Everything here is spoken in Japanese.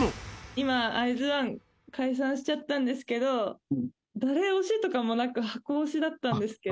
今、アイズワン、解散しちゃったんですけど、誰推しとかもなく、箱推しだったんですけど。